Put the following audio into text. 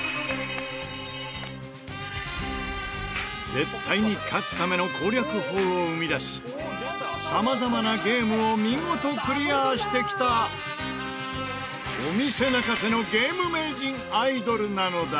絶対に勝つための攻略法を生み出しさまざまなゲームを見事クリアしてきたお店泣かせのゲーム名人アイドルなのだ。